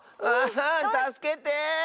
たすけて！